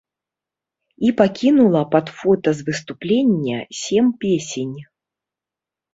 І пакінула пад фота з выступлення сем песень.